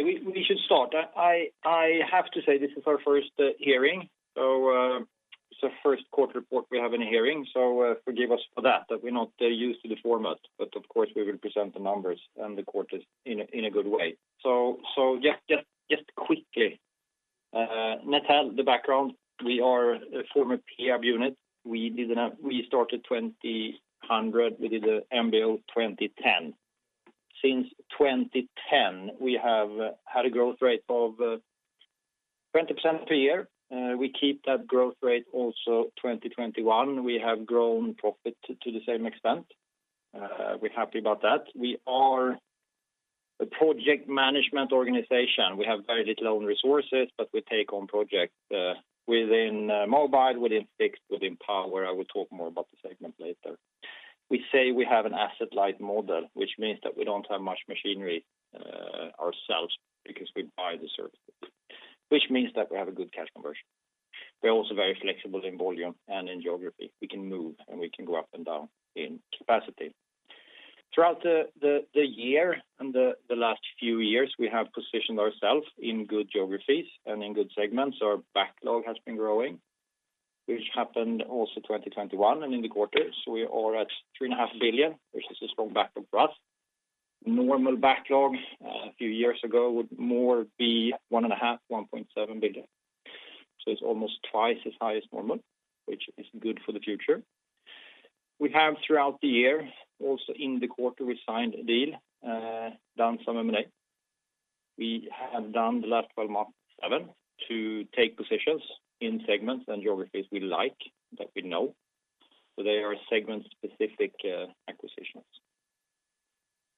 We should start. I have to say this is our first earnings, so it's the Q1 report we have in an earnings, so forgive us for that that we're not used to the format. Of course, we will present the numbers and the quarters in a good way. Just quickly, Netel, the background, we are a former PE unit. We started 2000. We did the MBO 2010. Since 2010, we have had a growth rate of 20% per year. We keep that growth rate also 2021. We have grown profit to the same extent. We're happy about that. We are a project management organization. We have very little own resources, but we take on projects within mobile, within fixed, within power. I will talk more about the segment later. We say we have an asset-light model, which means that we don't have much machinery ourselves because we buy the services, which means that we have a good cash conversion. We're also very flexible in volume and in geography. We can move, and we can go up and down in capacity. Throughout the year and the last few years, we have positioned ourselves in good geographies and in good segments. Our backlog has been growing, which happened also 2021 and in the quarters. We are at 3.5 billion, which is a strong backlog for us. Normal backlog a few years ago would more be 1.5, 1.7 billion. It's almost twice as high as normal, which is good for the future. We have throughout the year, also in the quarter, we signed a deal, done some M&A. We have done the last 12 months 7 to take positions in segments and geographies we like, that we know. They are segment-specific acquisitions.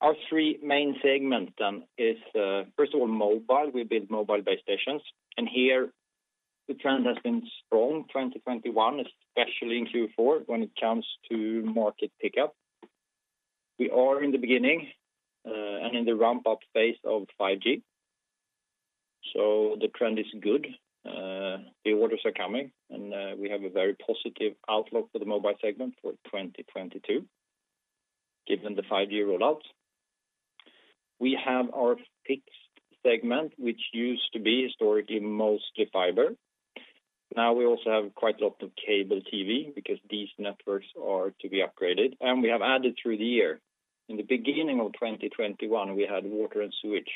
Our three main segments then is first of all, mobile. We build mobile base stations. Here the trend has been strong. 2021, especially in Q4, when it comes to market pickup. We are in the beginning and in the ramp-up phase of 5G. The trend is good. The orders are coming, and we have a very positive outlook for the mobile segment for 2022, given the 5-year rollout. We have our fixed segment, which used to be historically mostly fiber. Now we also have quite a lot of cable TV because these networks are to be upgraded. We have added through the year. In the beginning of 2021, we had water and sewage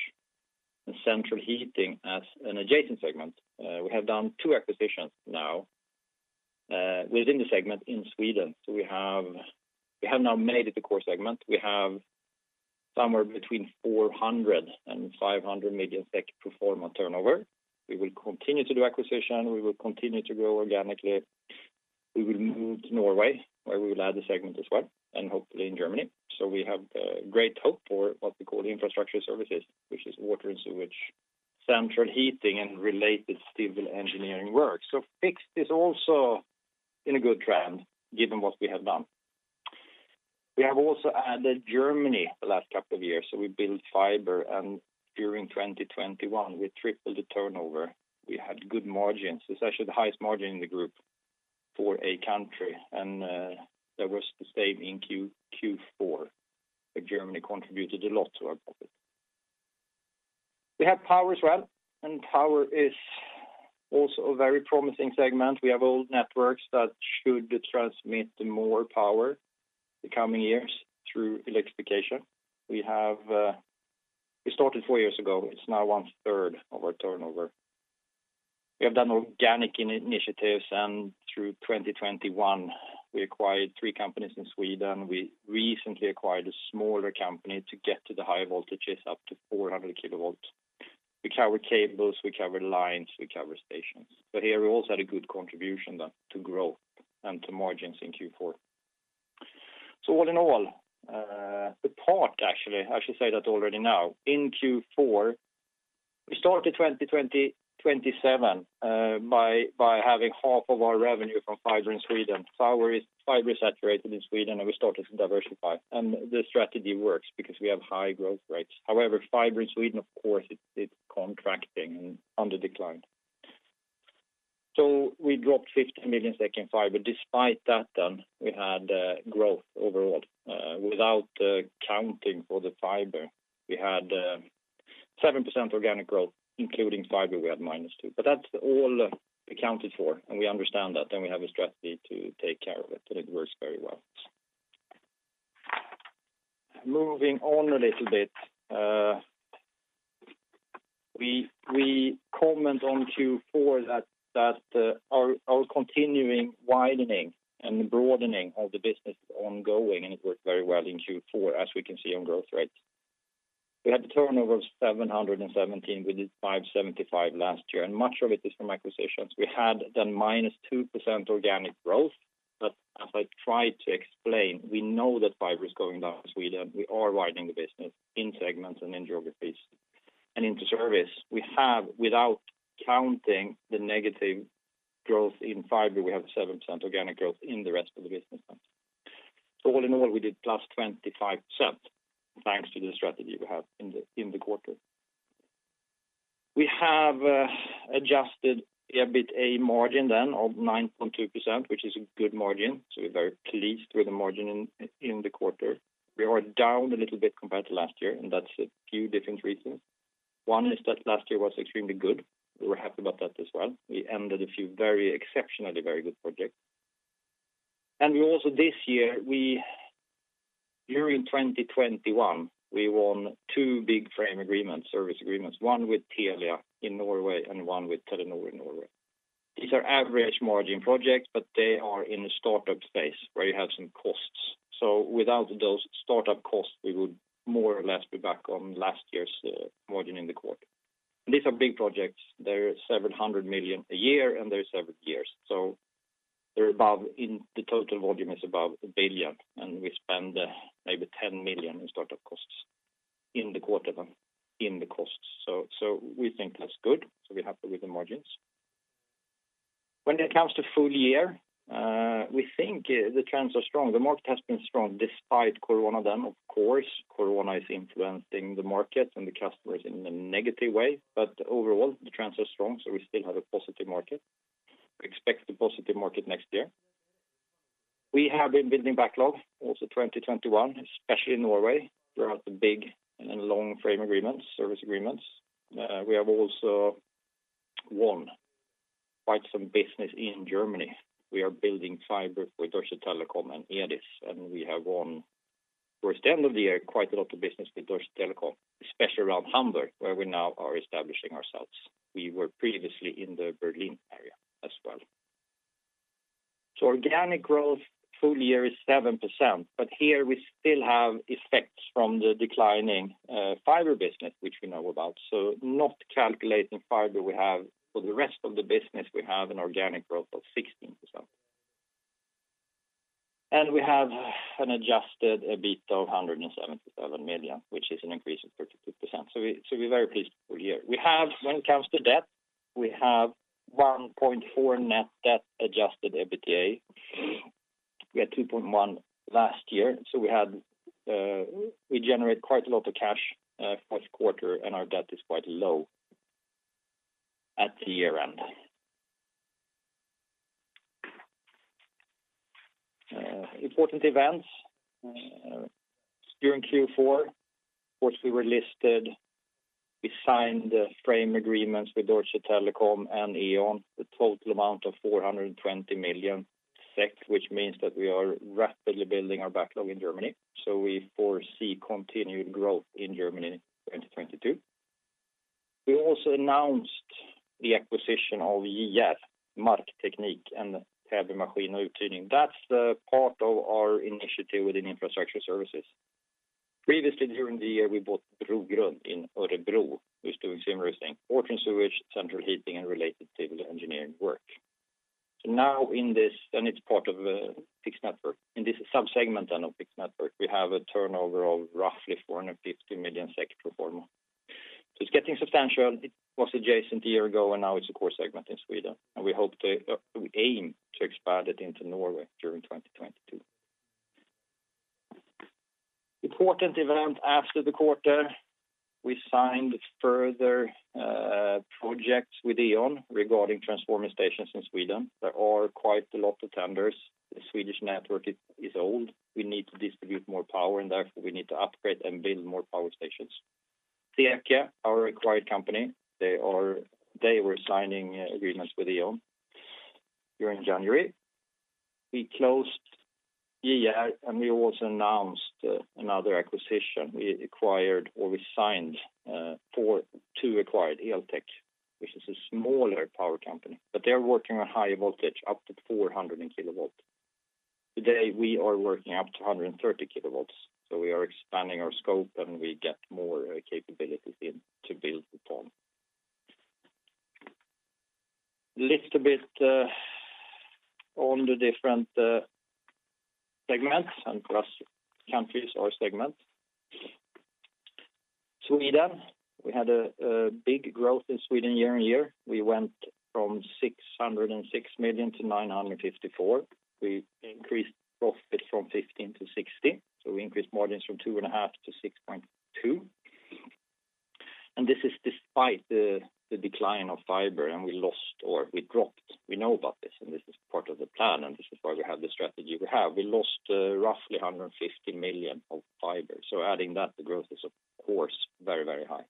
and central heating as an adjacent segment. We have done two acquisitions now, within the segment in Sweden. We have now made it the core segment. We have somewhere between 400 and 500 million SEK pro forma turnover. We will continue to do acquisition. We will continue to grow organically. We will move to Norway, where we will add the segment as well, and hopefully in Germany. We have great hope for what we call Infrastructure Services, which is water and sewage, central heating, and related civil engineering work. Fixed is also in a good trend given what we have done. We have also added Germany the last couple of years. We build fiber, and during 2021, we tripled the turnover. We had good margins. It's actually the highest margin in the group for a country. That was the same in Q4, but Germany contributed a lot to our profit. We have power as well, and power is also a very promising segment. We have old networks that should transmit more power the coming years through electrification. We started 4 years ago. It's now one-third of our turnover. We have done organic initiatives, and through 2021, we acquired 3 companies in Sweden. We recently acquired a smaller company to get to the higher voltages up to 400 kilovolts. We cover cables, we cover lines, we cover stations. Here we also had a good contribution then to growth and to margins in Q4. All in all, the part actually, I should say that already now, in Q4, we started 2027 by having half of our revenue from fiber in Sweden. Fiber is saturated in Sweden, and we started to diversify. The strategy works because we have high growth rates. However, fiber in Sweden, of course, it's contracting and on the decline. We dropped 50 million in fiber. Despite that, we had growth overall. Without accounting for the fiber, we had 7% organic growth; including fiber, we had -2%. That's all accounted for, and we understand that. We have a strategy to take care of it, but it works very well. Moving on a little bit, we comment on Q4 that our continuing widening and broadening of the business is ongoing, and it worked very well in Q4, as we can see on growth rates. We had a turnover of 717. We did 575 last year, and much of it is from acquisitions. We had then -2% organic growth. As I tried to explain, we know that fiber is going down in Sweden. We are widening the business in segments and in geographies. Into service, we have, without counting the negative growth in fiber, we have 7% organic growth in the rest of the business then. All in all, we did +25%, thanks to the strategy we have in the quarter. We have adjusted EBITA margin then of 9.2%, which is a good margin. We're very pleased with the margin in the quarter. We are down a little bit compared to last year, and that's a few different reasons. One is that last year was extremely good. We were happy about that as well. We ended a few very exceptionally good projects. We also this year during 2021 we won two big framework agreements, service agreements, one with Telia in Norway and one with Telenor in Norway. These are average margin projects, but they are in a start-up phase where you have some costs. Without those startup costs, we would more or less be back on last year's margin in the quarter. These are big projects. They're 700 million a year, and they're 7 years. In the total volume, they're above 1 billion, and we spend maybe 10 million in startup costs in the quarter and then in the costs. We think that's good. We're happy with the margins. When it comes to full year, we think the trends are strong. The market has been strong despite COVID on them. Of course, COVID is influencing the market and the customers in a negative way. Overall, the trends are strong, so we still have a positive market. We expect a positive market next year. We have been building backlog also 2021, especially in Norway, through the big and long frame agreements, service agreements. We have also won quite some business in Germany. We are building fiber for Deutsche Telekom and E.ON, and we have won towards the end of the year quite a lot of business with Deutsche Telekom, especially around Hamburg, where we now are establishing ourselves. We were previously in the Berlin area as well. Organic growth full year is 7%. Here we still have effects from the declining fiber business, which we know about. Not calculating fiber we have for the rest of the business, we have an organic growth of 16%. We have an adjusted EBITDA of 177 million, which is an increase of 32%. We're very pleased for a year. We have, when it comes to debt, we have 1.4 net debt adjusted EBITDA. We had 2.1 last year, so we generate quite a lot of cash first quarter, and our debt is quite low at the year-end. Important events during Q4, of course, we were listed. We signed the frame agreements with Deutsche Telekom and E.ON, the total amount of 420 million SEK, which means that we are rapidly building our backlog in Germany. We foresee continued growth in Germany in 2022. We also announced the acquisition of JR Markteknik and Täby Maskin & Uthyrning. That's the part of our initiative within infrastructure services. Previously, during the year, we bought Brogrund in Örebro, who's doing similar things, water and sewage, central heating, and related civil engineering work. Now in this, it's part of a fixed network. In this sub-segment of fixed network, we have a turnover of roughly 450 million SEK pro forma. It's getting substantial. It was adjacent a year ago, and now it's a core segment in Sweden. We hope to, we aim to expand it into Norway during 2022. Important event after the quarter, we signed further projects with E.ON regarding transformer stations in Sweden. There are quite a lot of tenders. The Swedish network is old. We need to distribute more power, and therefore, we need to upgrade and build more power stations. SEKE, our acquired company, they were signing agreements with E.ON during January. We closed JR, and we also announced another acquisition. We acquired or we signed to acquire Eltek, which is a smaller power company, but they are working on high voltage up to 400 kilovolts. Today, we are working up to 130 kilovolts. We are expanding our scope, and we get more capabilities into to build upon. A little bit on the different segments and cross-countries or segments. In Sweden, we had a big growth year-over-year. We went from 606 million to 954 million. We increased profit from 15 million to 60 million. We increased margins from 2.5% to 6.2%. This is despite the decline of fiber, and we lost or we dropped. We know about this, and this is part of the plan, and this is why we have the strategy we have. We lost roughly 150 million of fiber. Adding that, the growth is of course very, very high.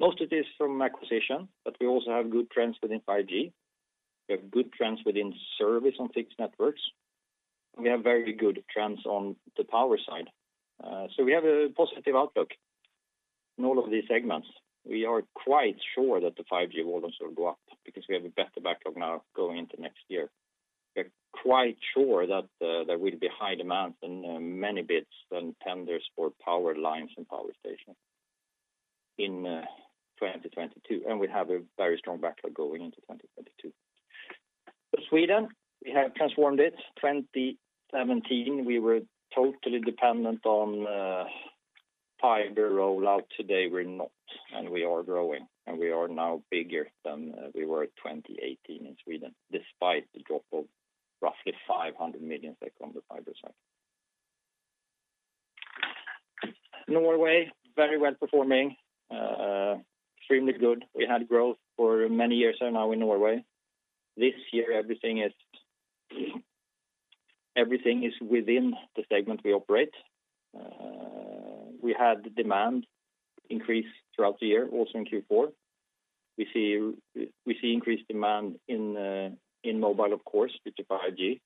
Most of this from acquisition, but we also have good trends within 5G. We have good trends within service on fixed networks. We have very good trends on the power side. We have a positive outlook in all of these segments. We are quite sure that the 5G volumes will go up because we have a better backlog now going into next year. We're quite sure that there will be high demand and many bids and tenders for power lines and power stations in 2022. We have a very strong backlog going into 2022. Sweden, we have transformed it. 2017, we were totally dependent on fiber rollout. Today, we're not, and we are growing, and we are now bigger than we were at 2018 in Sweden, despite the drop of roughly 500 million on the fiber side. Norway, very well performing, extremely good. We had growth for many years now in Norway. This year, everything is within the segment we operate. We had demand increase throughout the year, also in Q4. We see increased demand in mobile, of course, due to 5G.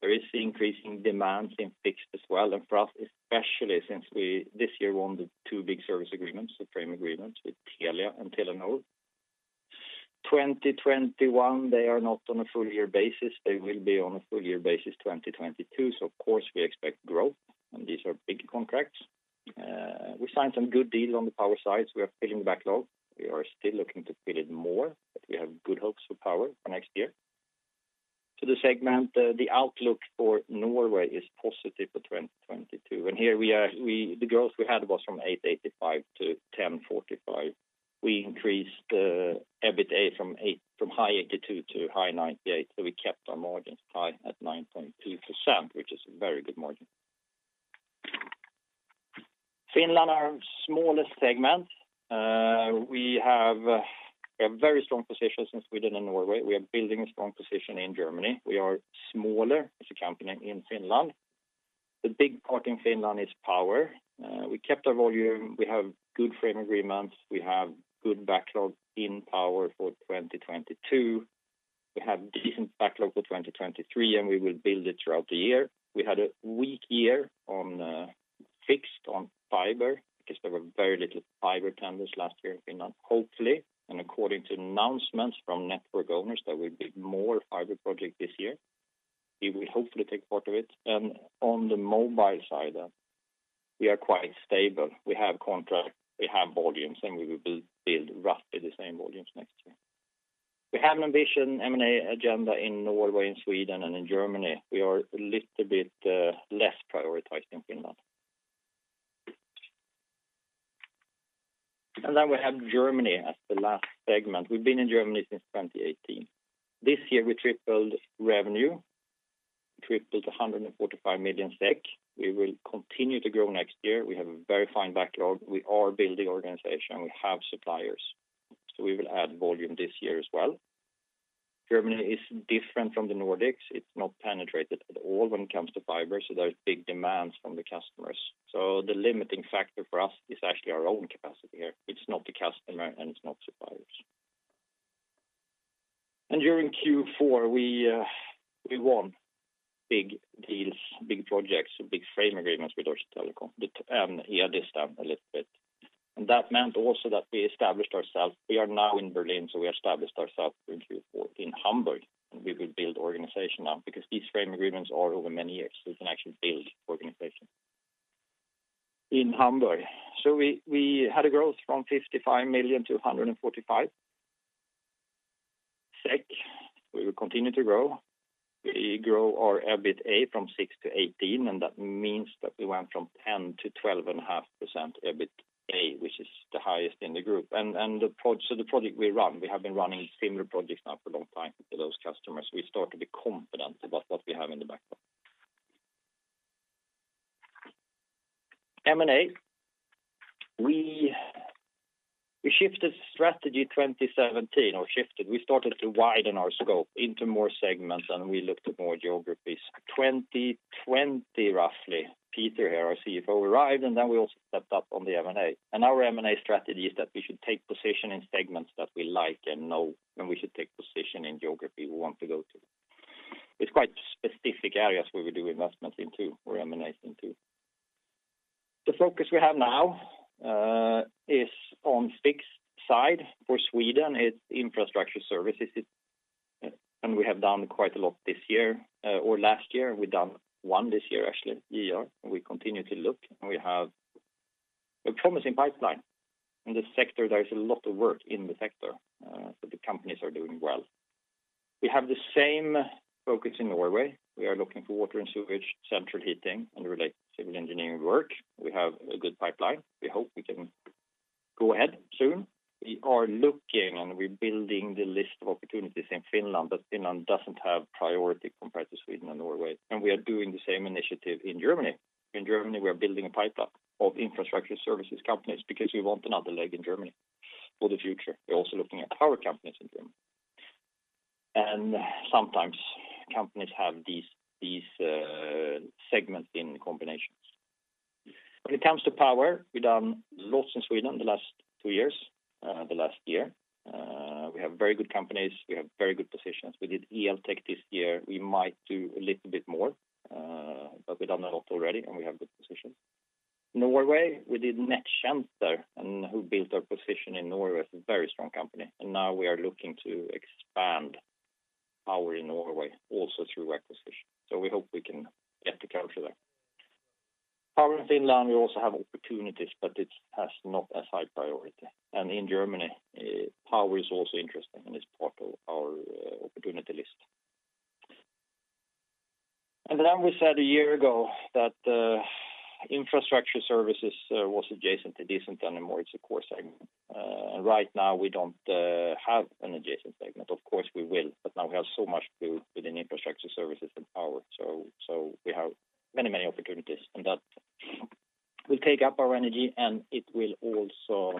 There is increasing demands in fixed as well. For us, especially since we this year won the two big service agreements, the frame agreements with Telia and Telenor. 2021, they are not on a full year basis. They will be on a full year basis 2022. Of course we expect growth, and these are big contracts. We signed some good deals on the power side. We are filling the backlog. We are still looking to fill it more, but we have good hopes for power for next year. To the segment, the outlook for Norway is positive for 2022. Here we are the growth we had was from 8.85 to 10.45. We increased EBITA from high 82 to high 98. We kept our margins high at 9.2%, which is a very good margin. Finland, our smallest segment. We have a very strong position in Sweden and Norway. We are building a strong position in Germany. We are smaller as a company in Finland. The big part in Finland is power. We kept our volume. We have good frame agreements. We have good backlog in power for 2022. We have decent backlog for 2023, and we will build it throughout the year. We had a weak year on fixed on fiber because there were very little fiber tenders last year in Finland. Hopefully, according to announcements from network owners, there will be more fiber projects this year. We will hopefully take part of it. On the mobile side, we are quite stable. We have contracts, we have volumes, and we will build roughly the same volumes next year. We have an ambition M&A agenda in Norway and Sweden and in Germany. We are a little bit less prioritized in Finland. Then we have Germany as the last segment. We've been in Germany since 2018. This year we tripled revenue to 145 million SEK. We will continue to grow next year. We have a very fine backlog. We are building organization. We have suppliers. We will add volume this year as well. Germany is different from the Nordics. It's not penetrated at all when it comes to fiber, so there's big demands from the customers. The limiting factor for us is actually our own capacity here. It's not the customer, and it's not suppliers. During Q4, we won big deals, big projects, big frame agreements with Deutsche Telekom and E.ON a little bit. That meant also that we established ourselves. We are now in Berlin, so we established ourselves in Q4 in Hamburg. We will build organization now because these frame agreements are over many years. We can actually build organization in Hamburg. We had a growth from 55 million to 145 million SEK. We will continue to grow. We grow our EBITA from 6 to 18, and that means that we went from 10% to 12.5% EBITA, which is the highest in the group. The project we run, we have been running similar projects now for a long time for those customers. We start to be confident about what we have in the backlog. M&A, we shifted strategy 2017 or shifted. We started to widen our scope into more segments, and we looked at more geographies. 2020 roughly, Peter here, our CFO, arrived, and then we also stepped up on the M&A. Our M&A strategy is that we should take position in segments that we like and know, and we should take position in geography we want to go to. It's quite specific areas where we do investments into or M&A into. The focus we have now is on fixed side. For Sweden, it's infrastructure services, and we have done quite a lot this year or last year. We've done one this year, actually, ER. We continue to look, and we have a promising pipeline. In this sector, there is a lot of work in the sector, so the companies are doing well. We have the same focus in Norway. We are looking for water and sewage, central heating, and related civil engineering work. We have a good pipeline. We hope we can go ahead soon. We are looking, and we're building the list of opportunities in Finland, but Finland doesn't have priority compared to Sweden and Norway. We are doing the same initiative in Germany. In Germany, we are building a pipeline of infrastructure services companies because we want another leg in Germany for the future. We're also looking at power companies in Germany. Sometimes companies have these segments in combinations. When it comes to power, we've done lots in Sweden the last two years, the last year. We have very good companies. We have very good positions. We did Eltek this year. We might do a little bit more, but we've done a lot already, and we have good positions. Norway, we did Nett-Tjenester, and that built our position in Norway. It's a very strong company. Now we are looking to expand power in Norway also through acquisition. We hope we can get the culture there. Power in Finland, we also have opportunities, but it has not as high priority. In Germany, power is also interesting, and it's part of our opportunity list. Then we said a year ago that infrastructure services was adjacent to Netel and more it's a core segment. Right now we don't have an adjacent segment. Of course, we will, but now we have so much to do within infrastructure services and power. So we have many, many opportunities, and that will take up our energy, and it will also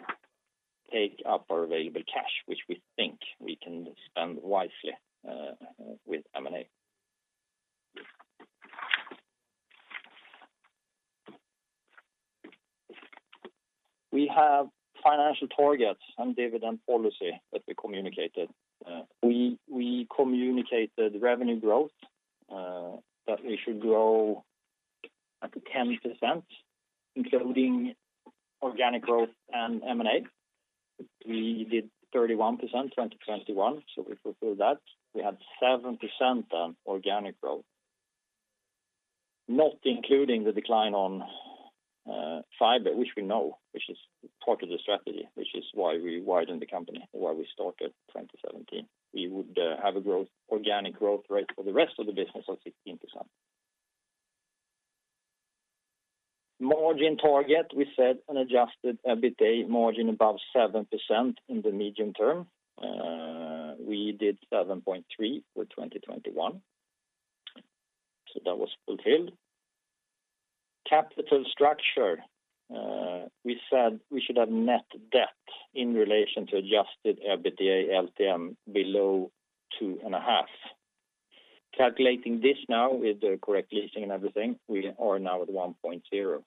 take up our available cash, which we think we can spend wisely with M&A. We have financial targets and dividend policy that we communicated. We communicated revenue growth that we should grow up to 10% including organic growth and M&A. We did 31% in 2021, so we fulfilled that. We had 7% on organic growth. Not including the decline on fiber, which we know, which is part of the strategy, which is why we founded the company, why we started 2017. We would have organic growth rate for the rest of the business of 16%. Margin target, we set an adjusted EBITDA margin above 7% in the medium term. We did 7.3% for 2021. That was fulfilled. Capital structure, we said we should have net debt in relation to adjusted EBITDA LTM below 2.5. Calculating this now with the correct leasing and everything, we are now at 1.0.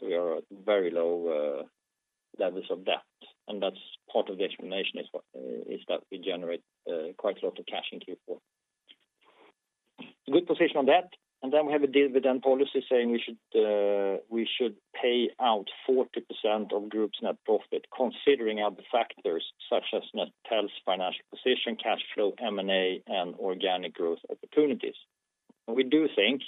We are at very low levels of debt, and that's part of the explanation is that we generate quite a lot of cash in Q4. Good position on that. We have a dividend policy saying we should pay out 40% of group's net profit considering other factors such as Netel's financial position, cash flow, M&A, and organic growth opportunities. We do think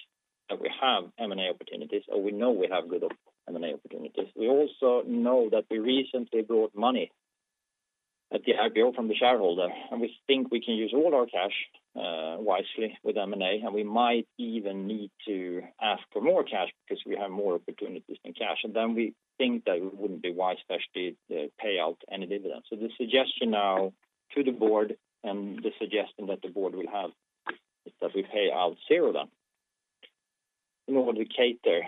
that we have M&A opportunities, or we know we have good M&A opportunities. We also know that we recently brought money at the IPO from the shareholder, and we think we can use all our cash wisely with M&A, and we might even need to ask for more cash because we have more opportunities than cash. We think that it wouldn't be wise for us to pay out any dividends. The suggestion now to the board and the suggestion that the board will have is that we pay out zero then in order to cater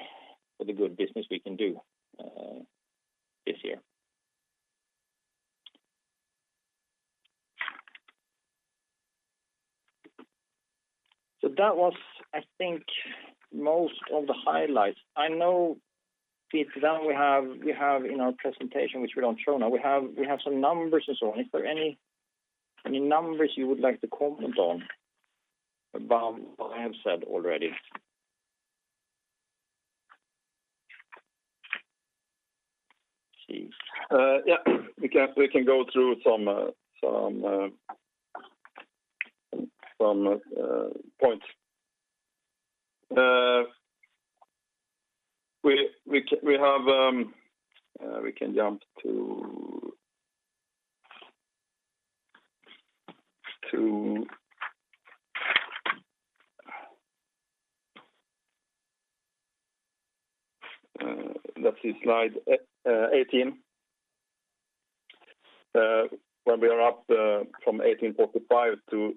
for the good business we can do this year. That was, I think, most of the highlights. I know, Peter, that we have in our presentation, which we don't show now, we have some numbers and so on. Is there any numbers you would like to comment on about what I have said already? We can go through some points. We can jump to. Let's see, slide 18. When we are up from SEK 1,845 million to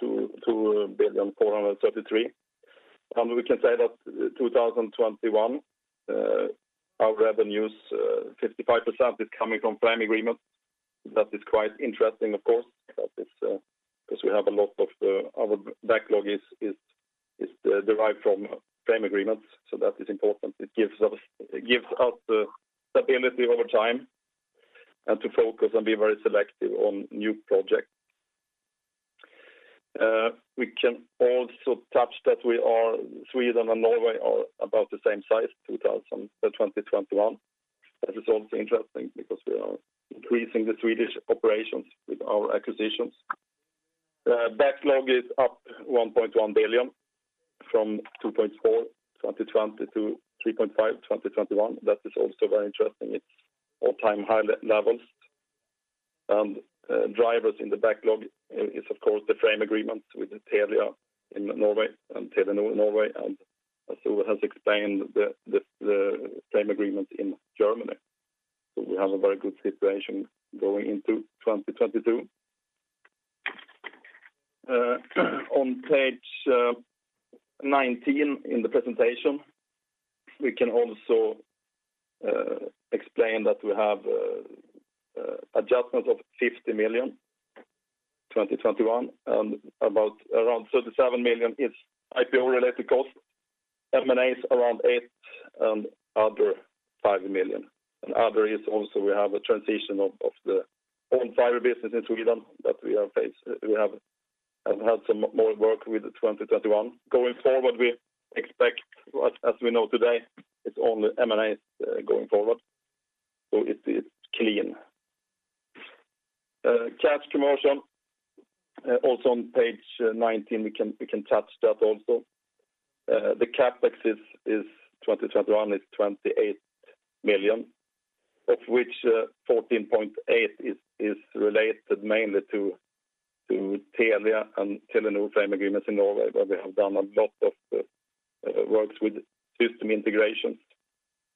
2,433 million. We can say that 2021 our revenues 55% is coming from frame agreements. That is quite interesting, of course, that is because a lot of our backlog is derived from frame agreements, so that is important. It gives us the stability over time and to focus and be very selective on new projects. We can also touch that Sweden and Norway are about the same size, 2,021 million. That is also interesting because we are increasing the Swedish operations with our acquisitions. The backlog is up 1.1 billion from 2.4 billion 2020 to 3.5 billion 2021. That is also very interesting. It's all-time high levels. Drivers in the backlog is of course the frame agreements with Telia in Norway, and Telenor Norway, and as Ove has explained, the frame agreements in Germany. We have a very good situation going into 2022. On page 19 in the presentation, we can also explain that we have adjustments of 50 million 2021, and around 37 million is IPO-related costs. M&A is around 8, and other 5 million. Other is also we have a transition of the owned fiber business in Sweden that we have faced. We have had some more work in 2021. Going forward, we expect, as we know today, it's only M&A going forward. So it's clean. Cash conversion also on page 19, we can touch that also. The CapEx in 2021 is 28 million, of which 14.8 is related mainly to Telia and Telenor frame agreements in Norway where we have done a lot of works with system integrations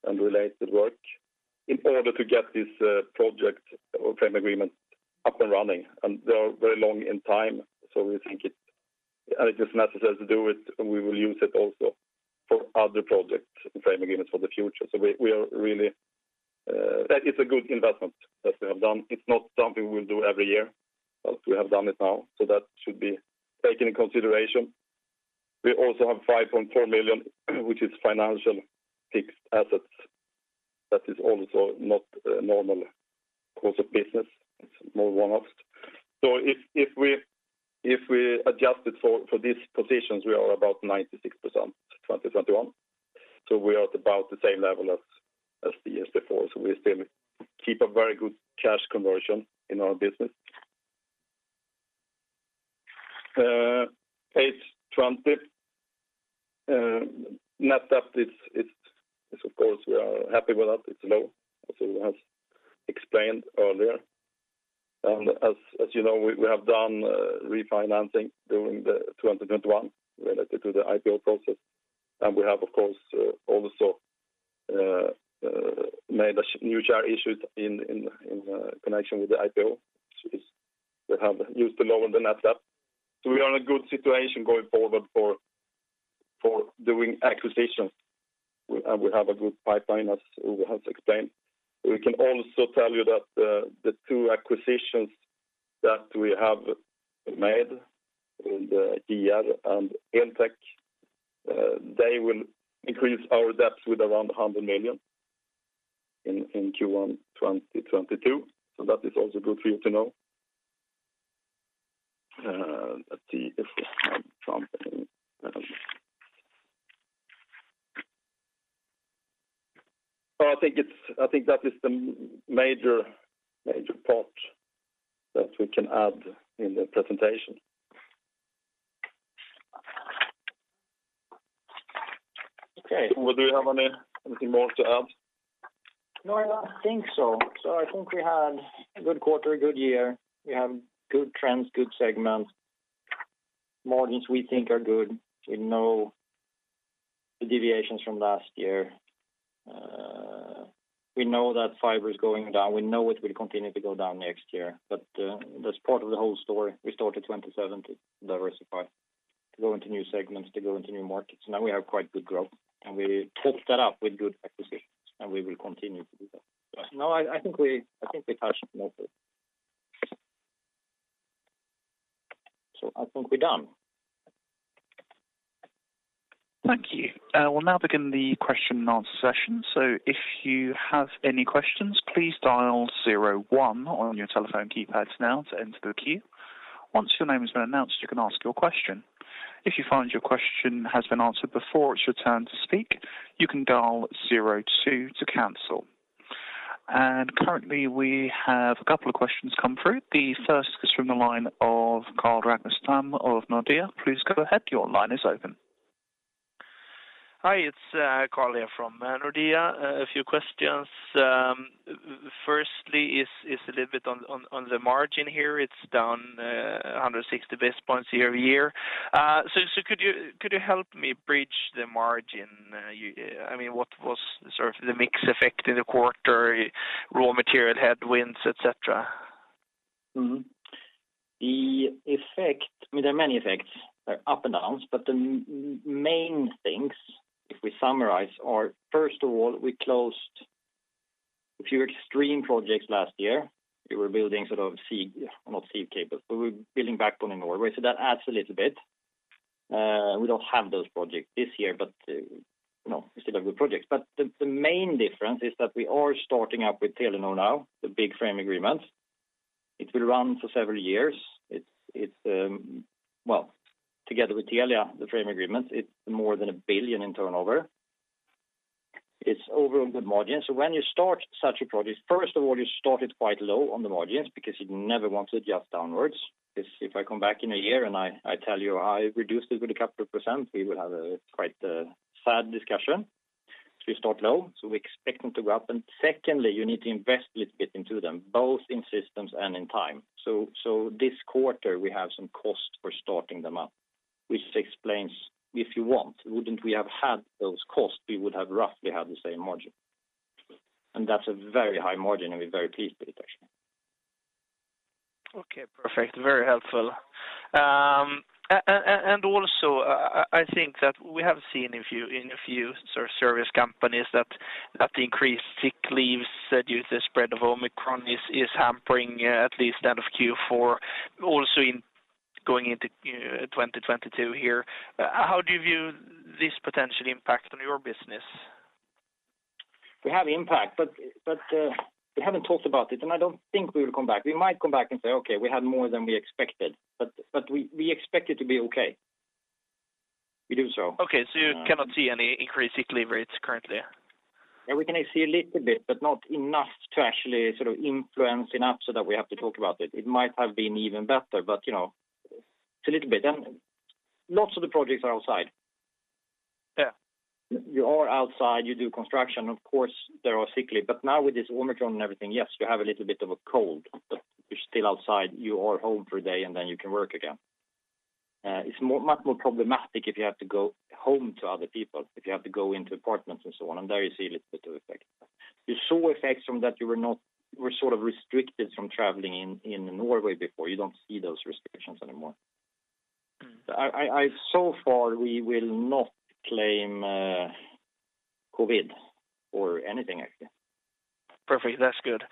and related work in order to get this project or frame agreement up and running. They are very long in time, so we think it is necessary to do it, and we will use it also for other projects and frame agreements for the future. We are really. That is a good investment that we have done. It's not something we'll do every year, but we have done it now, so that should be taken in consideration. We also have 5.4 million which is financial fixed assets. That is also not a normal course of business. It's more one-offs. If we adjusted for these positions, we are about 96% 2021. We are at about the same level as the years before. We still keep a very good cash conversion in our business. Page 20. Net debt is of course we are happy with that. It's low as we have explained earlier. As you know, we have done refinancing during the 2021 related to the IPO process. We have of course also made new share issues in connection with the IPO, which we have used to lower the net debt. We are in a good situation going forward for doing acquisitions. We have a good pipeline as Ove has explained. We can also tell you that the two acquisitions that we have made n the ER and in tech they will increase our debt with around 100 million in Q1 2022. That is also good for you to know. Let's see if there's something. I think that is the major part that we can add in the presentation. Okay. Ove, do you have anything more to add? No, I don't think so. I think we had a good quarter, a good year. We have good trends, good segments. Margins we think are good. We know the deviations from last year. We know that fiber is going down. We know it will continue to go down next year. That's part of the whole story. We started 2017 diversified to go into new segments, to go into new markets. Now we have quite good growth. We topped that up with good acquisitions, and we will continue to do that. No, I think we touched on most of it. I think we're done. Thank you. We'll now begin the question and answer session. So if you have any questions, please dial zero one on your telephone keypads now to enter the queue. Once your name has been announced, you can ask your question. If you find your question has been answered before it's your turn to speak, you can dial zero two to cancel. Currently, we have a couple of questions come through. The first is from the line of Carl Ragnerstam of Nordea. Please go ahead. Your line is open. Hi, it's Carl here from Nordea. A few questions. Firstly, it's a little bit on the margin here. It's down 160 basis points year-over-year. So could you help me bridge the margin? I mean, what was sort of the mix effect in the quarter, raw material headwinds, et cetera? The effect. I mean, there are many effects. There are ups and downs. The main things, if we summarize, are first of all, we closed a few extreme projects last year. We were building backbone in Norway, so that adds a little bit. We don't have those projects this year, but you know, we still have good projects. The main difference is that we are starting up with Telenor now, the big frame agreement. It will run for several years. Together with Telia, the frame agreement, it's more than 1 billion in turnover. It's overall good margin. When you start such a project, first of all, you start it quite low on the margins because you never want to adjust downwards. If I come back in a year and I tell you I reduced it with a couple of percent, we will have a quite sad discussion. We start low. We expect them to go up. Secondly, you need to invest a little bit into them, both in systems and in time. This quarter, we have some costs for starting them up, which explains if you want, wouldn't we have had those costs, we would have roughly had the same margin. That's a very high margin, and we're very pleased with it, actually. Okay. Perfect. Very helpful. Also, I think that we have seen a few in a few sort of service companies that the increased sick leaves due to the spread of Omicron is hampering at least end of Q4, also in going into 2022 here. How do you view this potential impact on your business? We have impact, but we haven't talked about it, and I don't think we will come back. We might come back and say, "Okay, we had more than we expected." We expect it to be okay. We do so. Okay. Yeah. You cannot see any increased sick leave rates currently? Yeah, we can see a little bit, but not enough to actually sort of influence enough so that we have to talk about it. It might have been even better, but, you know, it's a little bit. Lots of the projects are outside. Yeah You are outside, you do construction, of course, there are sick days. Now with this Omicron and everything, yes, you have a little bit of a cold, but you're still outside. You are home for a day, and then you can work again. It's much more problematic if you have to go home to other people, if you have to go into apartments and so on, and there you see a little bit of effect. You saw effects from that you were sort of restricted from traveling in Norway before. You don't see those restrictions anymore. Mm. So far we will not claim COVID or anything actually. Perfect. That's good.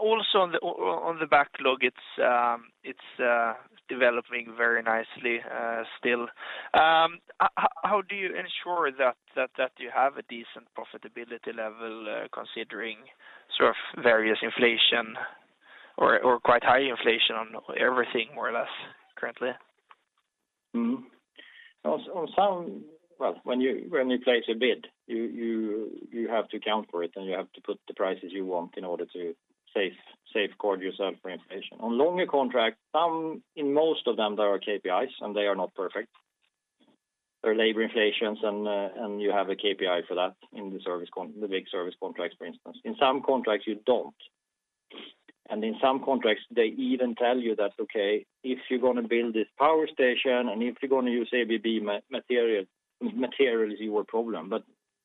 Also on the backlog, it's developing very nicely, still. How do you ensure that you have a decent profitability level, considering sort of various inflation or quite high inflation on everything more or less currently? Mm-hmm. On some. Well, when you place a bid, you have to account for it, and you have to put the prices you want in order to safeguard yourself for inflation. On longer contracts, in most of them, there are KPIs, and they are not perfect. There are labor inflations, and you have a KPI for that in the big service contracts, for instance. In some contracts, you don't. In some contracts, they even tell you that, "Okay, if you're gonna build this power station, and if you're gonna use ABB material, materials is your problem."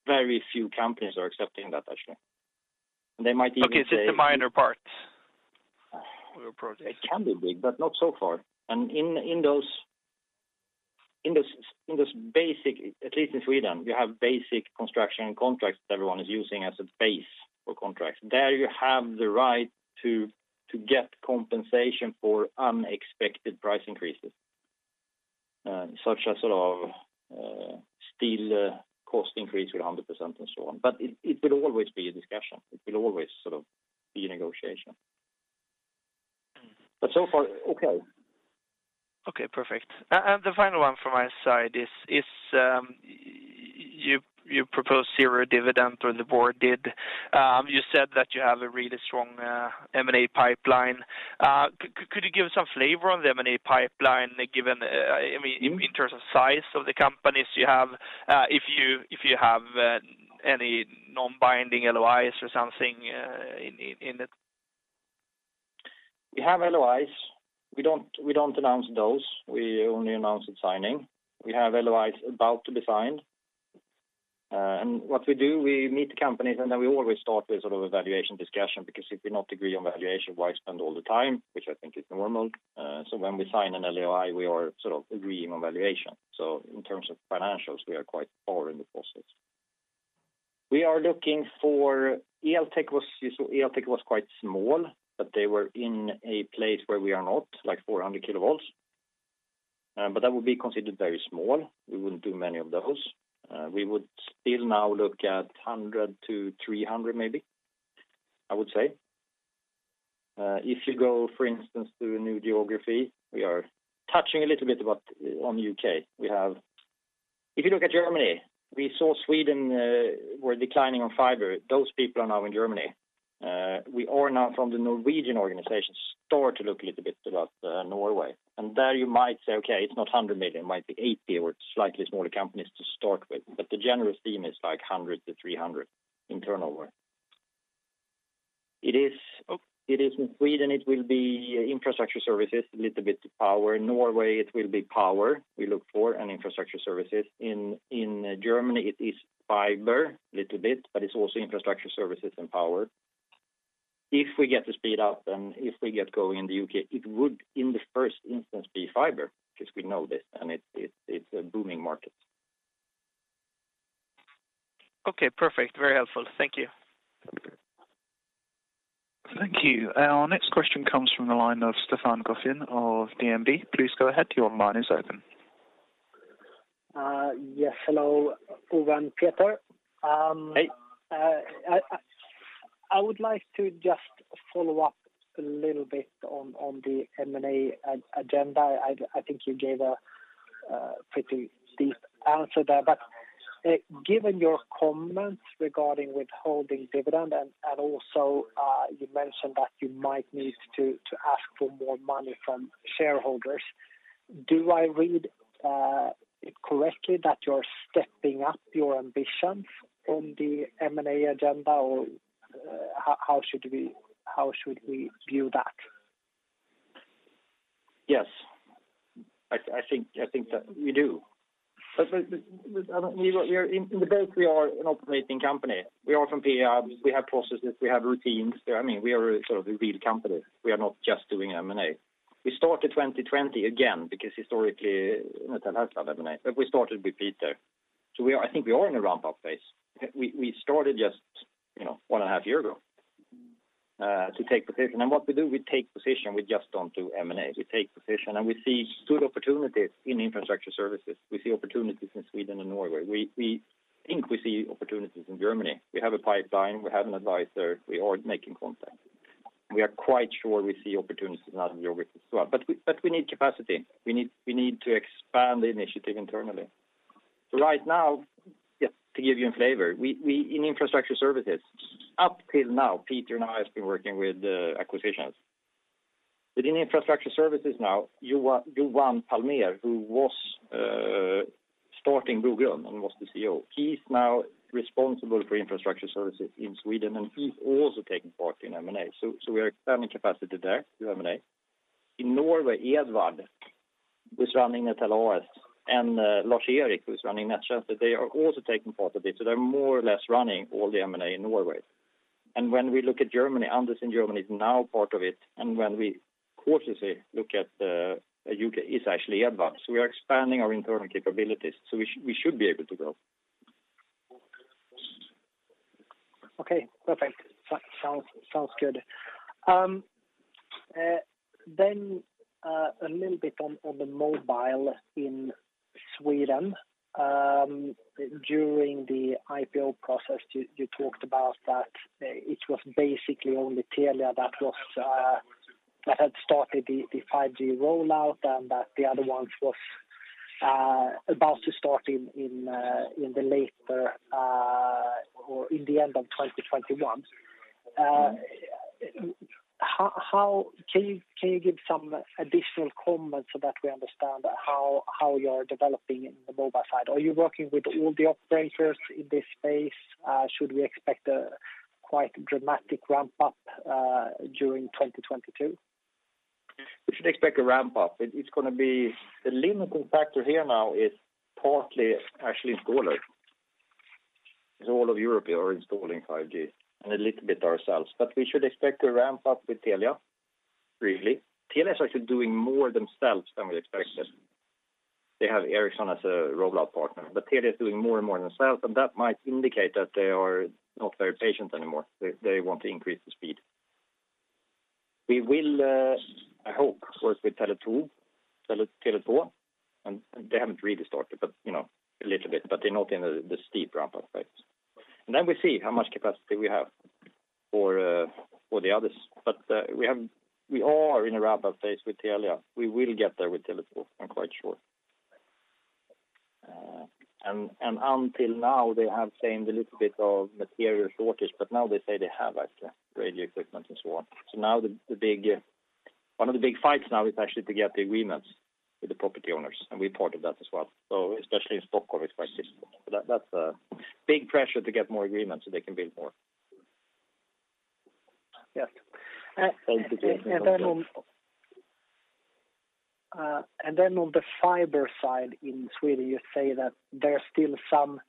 Very few companies are accepting that actually. They might even say. Okay. Is it the minor parts of your project? It can be big, but not so far. At least in Sweden, we have basic construction contracts that everyone is using as a base for contracts. There you have the right to get compensation for unexpected price increases, such as, sort of, steel cost increase with 100% and so on. It will always be a discussion. It will always sort of be a negotiation. Mm. So far, okay. Okay, perfect. The final one from my side is you propose zero dividend, or the board did. You said that you have a really strong M&A pipeline. Could you give some flavor on the M&A pipeline, given I mean- Mm-hmm In terms of size of the companies you have, if you have any non-binding LOIs or something in it? We have LOIs. We don't announce those. We only announce the signing. We have LOIs about to be signed. What we do, we meet the companies, and then we always start with sort of a valuation discussion because if we not agree on valuation, why spend all the time, which I think is normal. When we sign an LOI, we are sort of agreeing on valuation. In terms of financials, we are quite far in the process. We are looking for Eltek. Eltek was quite small, but they were in a place where we are not, like 400 kilovolts. That would be considered very small. We wouldn't do many of those. We would still now look at 100 to 300 maybe, I would say. If you go, for instance, to a new geography, we are touching a little bit about on U.K. We have. If you look at Germany, we saw Sweden were declining on fiber. Those people are now in Germany. We are now from the Norwegian organization start to look a little bit about Norway. There you might say, "Okay, it's not 100 million. It might be 80 million or slightly smaller companies to start with." The general theme is, like, 100-300 million in turnover. It is in Sweden, it will be infrastructure services, a little bit power. In Norway, it will be power we look for and infrastructure services. In Germany, it is fiber a little bit, but it's also infrastructure services and power. If we get to speed up and if we get going in the U.K., it would in the first instance be fiber because we know this, and it's a booming market. Okay, perfect. Very helpful. Thank you. Okay. Thank you. Our next question comes from the line of Stefan Göthlin of DNB. Please go ahead. Your line is open. Yes. Hello, Ove, Peter. Hey. I would like to just follow up a little bit on the M&A agenda. I think you gave a pretty deep answer there. Given your comments regarding withholding dividend and also you mentioned that you might need to ask for more money from shareholders, do I read it correctly that you're stepping up your ambitions on the M&A agenda, or how should we view that? Yes. I think that we do. I mean, we are in the bank. We are an operating company. We are from TeliaSonera. We have processes. We have routines. I mean, we are sort of a real company. We are not just doing M&A. We started 2020 again because historically TeliaSonera had M&A, but we started with Peter. I think we are in a ramp-up phase. We started just, you know, one and a half year ago to take position. What we do, we take position. We just don't do M&A. We take position, and we see good opportunities in infrastructure services. We see opportunities in Sweden and Norway. We think we see opportunities in Germany. We have a pipeline. We have an advisor. We are making contacts. We are quite sure we see opportunities in that geography as well. We need capacity. We need to expand the initiative internally. Right now, just to give you a flavor, we in infrastructure services, up till now, Peter and I has been working with acquisitions. In infrastructure services now, Johan Palmér, who was starting Brogrund and was the CEO, he's now responsible for infrastructure services in Sweden, and he's also taking part in M&A. We are expanding capacity there through M&A. In Norway, Edvard was running Netel AS, and Lars-Erik Sundell, who's running Net change, they are also taking part of it. They're more or less running all the M&A in Norway. When we look at Germany, Anders in Germany is now part of it. When we cautiously look at U.K., it's actually Edvard. We are expanding our internal capabilities, so we should be able to grow. Okay, perfect. Sounds good. A little bit on the mobile in Sweden. During the IPO process, you talked about that it was basically only Telia that had started the 5G rollout and that the other ones was about to start in the later or in the end of 2021. How can you give some additional comments so that we understand how you're developing in the mobile side? Are you working with all the operators in this space? Should we expect a quite dramatic ramp up during 2022? We should expect a ramp up. It's gonna be the limiting factor here now is partly actually installers, because all of Europe are installing 5G and a little bit ourselves. We should expect to ramp up with Telia, really. Telia is actually doing more themselves than we expected. They have Ericsson as a rollout partner. Telia is doing more and more themselves, and that might indicate that they are not very patient anymore. They want to increase the speed. We will, I hope, work with Tele2. They haven't really started, but, you know, a little bit, but they're not in the steep ramp-up phase. Then we see how much capacity we have for the others. We are in a ramp-up phase with Telia. We will get there with Tele2, I'm quite sure. Until now, they have seen a little bit of material shortage, but now they say they have actually radio equipment and so on. Now one of the big fights now is actually to get the agreements with the property owners, and we're part of that as well. Especially in Stockholm, it's quite difficult. That's a big pressure to get more agreements so they can build more. Yes. On the fiber side in Sweden, you say that there's still some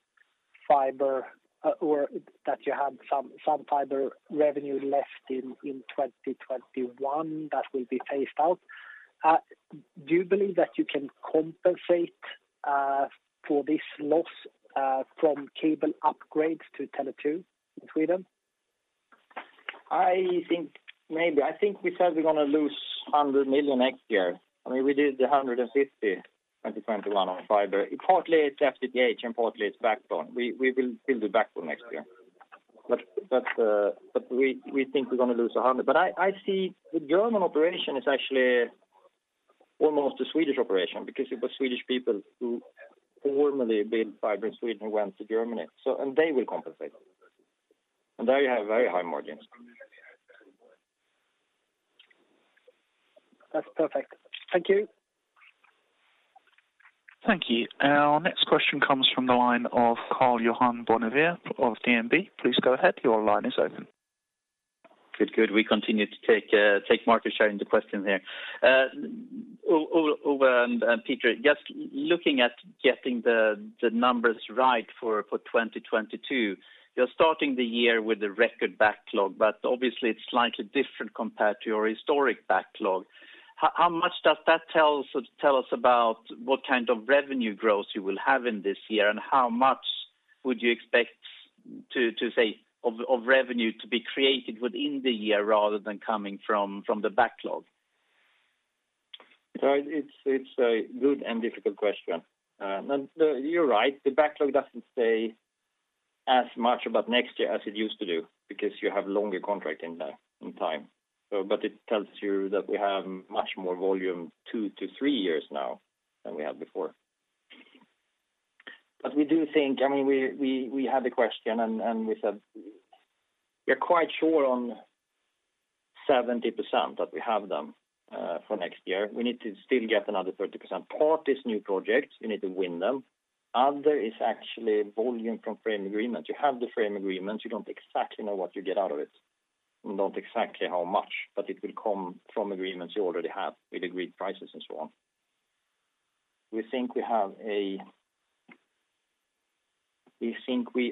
fiber or that you have some fiber revenue left in 2021 that will be phased out. Do you believe that you can compensate for this loss from cable upgrades to Tele2 in Sweden? I think maybe. I think we said we're gonna lose 100 million next year. I mean, we did the 150 million 2021 on fiber. Partly it's FTTH and partly it's backbone. We will build the backbone next year. We think we're gonna lose 100 million. I see the German operation is actually almost a Swedish operation because it was Swedish people who formerly built fiber in Sweden and went to Germany. And they will compensate. And there you have very high margins. That's perfect. Thank you. Thank you. Our next question comes from the line of Karl-Johan Bonnevier of DNB. Please go ahead, your line is open. Good. Good. We continue to take market share in the region here. Ove and Peter, just looking at getting the numbers right for 2022. You're starting the year with a record backlog, but obviously it's slightly different compared to your historic backlog. How much does that tell us about what kind of revenue growth you will have in this year, and how much would you expect to see of revenue to be created within the year rather than coming from the backlog? It's a good and difficult question. No, you're right. The backlog doesn't say as much about next year as it used to do because you have longer contract in time. It tells you that we have much more volume two to three years now than we had before. We do think. I mean, we had the question and we said we're quite sure on 70% that we have them for next year. We need to still get another 30%. Part is new projects, we need to win them. Other is actually volume from frame agreements. You have the frame agreements, you don't exactly know what you get out of it. You don't know exactly how much, but it will come from agreements you already have with agreed prices and so on. We think we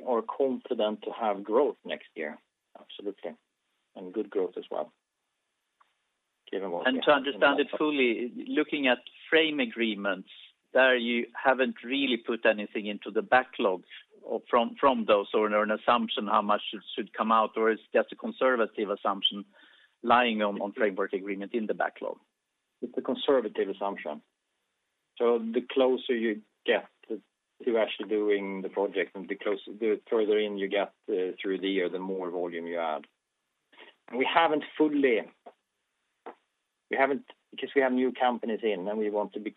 are confident to have growth next year. Absolutely. Good growth as well. Given what we have- To understand it fully, looking at framework agreements, there you haven't really put anything into the backlogs or from those or an assumption how much it should come out, or it's just a conservative assumption lying on framework agreement in the backlog. It's a conservative assumption. The closer you get to actually doing the project and the further in you get through the year, the more volume you add. We haven't fully done because we have new companies in and we want to be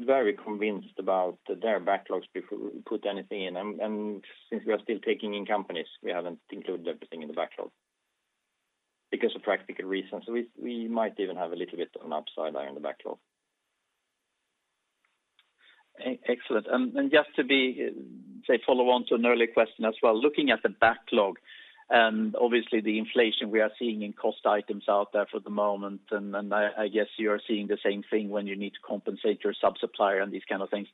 very convinced about their backlogs before we put anything in. Since we are still taking in companies, we haven't included everything in the backlog because of practical reasons. We might even have a little bit of an upside there in the backlog. Excellent. Just to say, follow on to an earlier question as well, looking at the backlog and obviously the inflation we are seeing in cost items out there for the moment, and I guess you are seeing the same thing when you need to compensate your sub-supplier on these kind of things.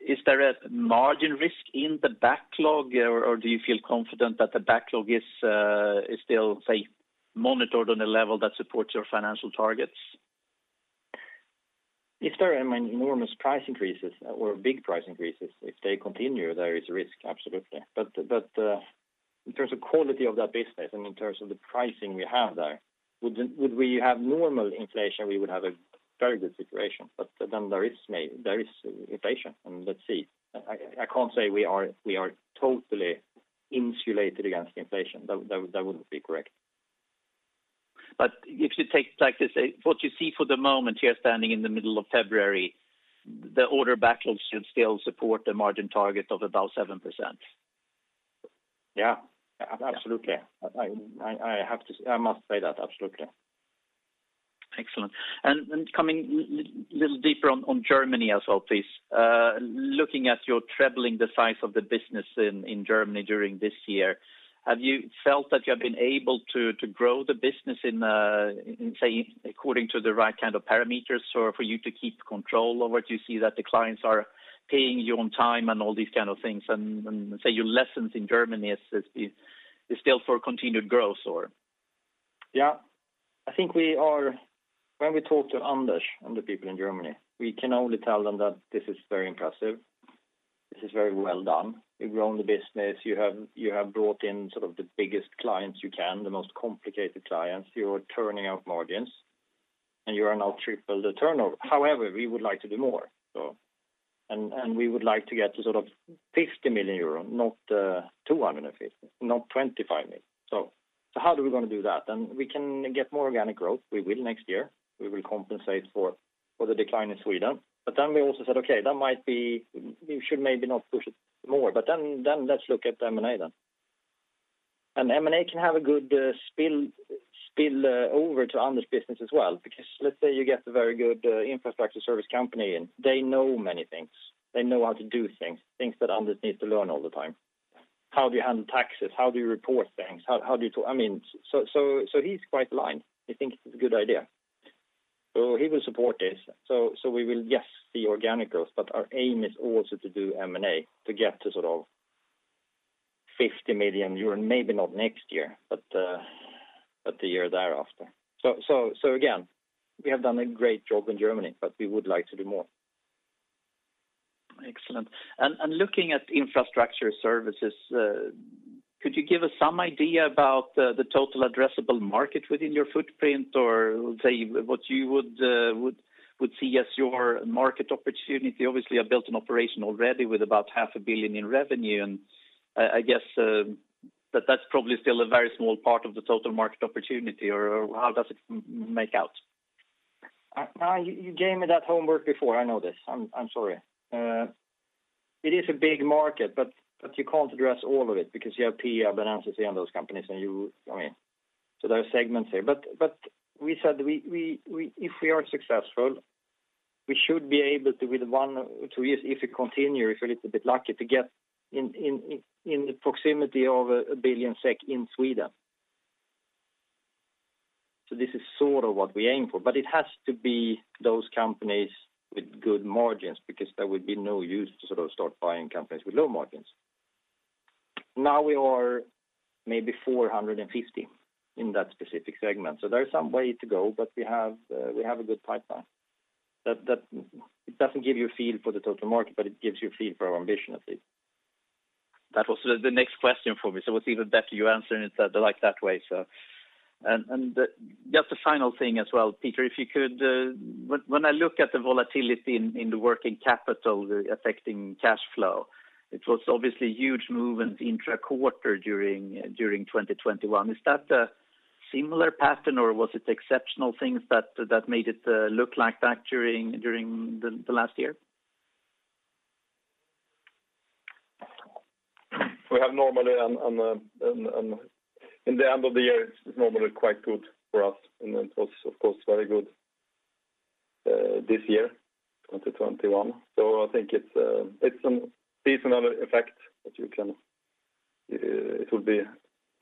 Is there a margin risk in the backlog or do you feel confident that the backlog is still, say, monitored on a level that supports your financial targets? If there are enormous price increases or big price increases, if they continue, there is risk, absolutely. In terms of quality of that business and in terms of the pricing we have there, would we have normal inflation, we would have a very good situation. There is inflation and let's see. I can't say we are totally insulated against inflation. That wouldn't be correct. If you take like this, what you see for the moment, you're standing in the middle of February, the order backlog should still support the margin target of about 7%. Yeah, absolutely. I must say that, absolutely. Excellent. Coming a little deeper on Germany as well, please. Looking at your trebling the size of the business in Germany during this year, have you felt that you have been able to grow the business in, say, according to the right kind of parameters or for you to keep control of what you see that the clients are paying you on time and all these kind of things? Say your lessons in Germany is still for continued growth, or? I think when we talk to Anders and the people in Germany, we can only tell them that this is very impressive. This is very well done. You have grown the business. You have brought in sort of the biggest clients you can, the most complicated clients. You are turning out margins, and you are now triple the turnover. However, we would like to do more. We would like to get to sort of 50 million euro, not 250, not 25 million. How do we want to do that? We can get more organic growth. We will next year. We will compensate for the decline in Sweden. We also said, okay, that might be, we should maybe not push it more. Let's look at M&A. M&A can have a good spill over to Anders' business as well, because let's say you get a very good infrastructure service company, and they know many things. They know how to do things that Anders needs to learn all the time. How do you handle taxes? How do you report things? How do you... I mean, so he's quite aligned. He thinks it's a good idea. He will support this. We will, yes, see organic growth, but our aim is also to do M&A to get to sort of 50 million euros, maybe not next year, but the year thereafter. Again, we have done a great job in Germany, but we would like to do more. Excellent. Looking at infrastructure services, could you give us some idea about the total addressable market within your footprint or, say, what you would see as your market opportunity? Obviously, you built an operation already with about SEK half a billion in revenue. I guess that's probably still a very small part of the total market opportunity, or how does it make out? You gave me that homework before. I know this. I'm sorry. It is a big market, but you can't address all of it because you have Peab, NCC and those companies. I mean, there are segments there. We said if we are successful, we should be able to, within 1-2 years, if we continue, if we're a little bit lucky, to get in the proximity of 1 billion SEK in Sweden. This is sort of what we aim for. It has to be those companies with good margins, because there would be no use to sort of start buying companies with low margins. Now we are maybe 450 million in that specific segment. There is some way to go, but we have a good pipeline. It doesn't give you a feel for the total market, but it gives you a feel for our ambition at least. That was the next question for me. It was even better you answering it that, like, that way. Just a final thing as well, Peter, if you could, when I look at the volatility in the working capital affecting cash flow, it was obviously huge movements intra-quarter during 2021. Is that a similar pattern or was it exceptional things that made it look like that during the last year? In the end of the year, it's normally quite good for us, and it was of course very good this year, 2021. I think it's a seasonal effect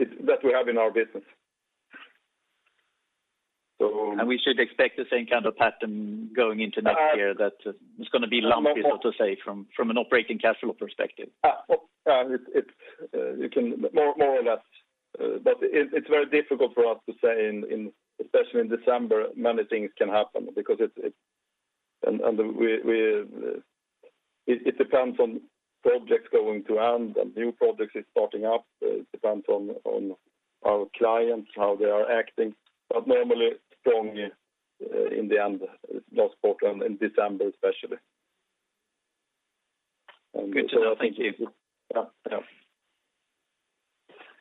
that we have in our business. We should expect the same kind of pattern going into next year that it's gonna be lumpy, so to say, from an operating cash flow perspective. It's more or less. It's very difficult for us to say, especially in December. Many things can happen because it depends on projects going to end and new projects is starting up. It depends on our clients, how they are acting. Normally strong in the end, last quarter and in December especially. Good to know. Thank you. Yeah. Yep.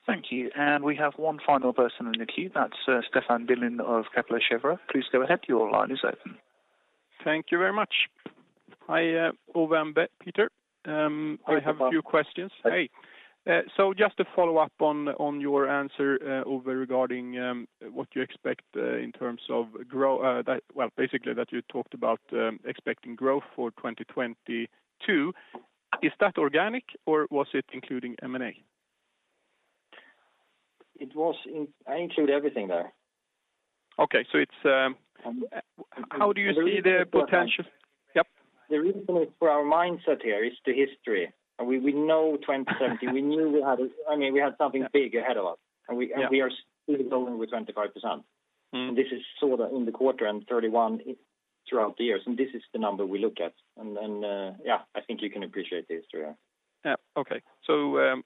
Thank you. We have one final person in the queue, that's Stefan Bilén of Kepler Cheuvreux. Please go ahead, your line is open. Thank you very much. I have a few questions. Hi, Stefan. Hey. So just to follow up on your answer regarding what you expect in terms of growth. Well, basically that you talked about, expecting growth for 2022. Is that organic or was it including M&A? I include everything there. Okay. It's how do you see the potential? The reason- Yep. The reason for our mindset here is the history. We know 2027. We knew, I mean, we had something big ahead of us, and we Yeah. We are still going with 25%. Mm-hmm. This is sort of in the quarter and 31 throughout the years, and this is the number we look at. Then, yeah, I think you can appreciate the history there. Okay.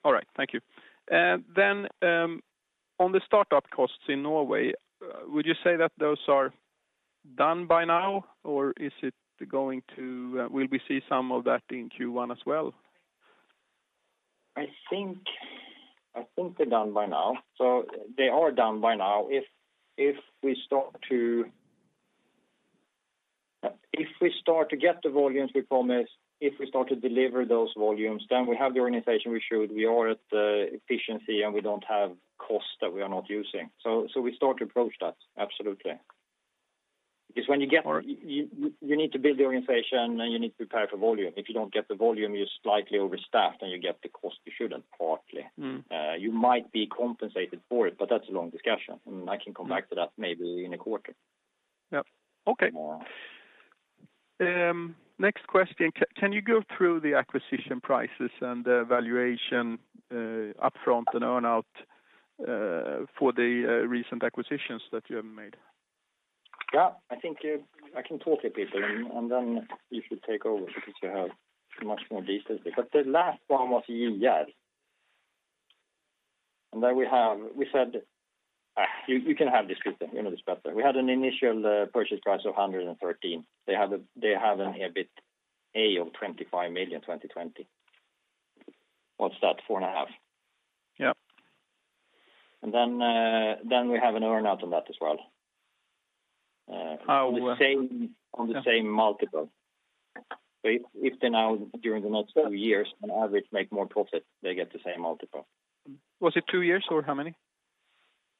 All right. Thank you. On the startup costs in Norway, would you say that those are done by now? Or will we see some of that in Q1 as well? I think they're done by now. They are done by now. If we start to get the volumes we promise, if we start to deliver those volumes, then we have the organization we showed, we are at the efficiency, and we don't have costs that we are not using. We start to approach that, absolutely. Because when you get. All right. You need to build the organization, and you need to prepare for volume. If you don't get the volume, you're slightly overstaffed, and you get the cost you shouldn't partly. Mm-hmm. You might be compensated for it, but that's a long discussion. I can come back to that maybe in a quarter. Yep. Okay. More. Next question. Can you go through the acquisition prices and the valuation, up front and earn out, for the recent acquisitions that you have made? Yeah. I think I can talk a bit, and then you should take over because you have much more details there. The last one was Yeah. You can have this, Peter. You know this better. We had an initial purchase price of 113. They have an EBITA of 25 million 2020. What's that? 4.5. Yeah. We have an earn out on that as well. How- On the same multiple. If they now during the next two years on average make more profit, they get the same multiple. Was it two years or how many?